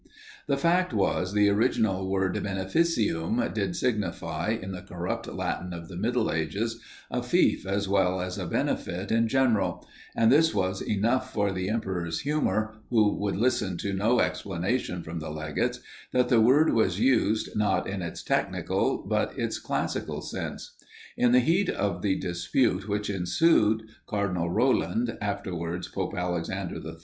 The fact was, the original word beneficium did signify, in the corrupt Latin of the middle ages, a feoff as well as a benefit in general; and this was enough for the emperor's humour, who would listen to no explanation from the legates, that the word was used, not in its technical, but its classical sense. In the heat of the dispute which ensued, Cardinal Roland, afterwards Pope Alexander III.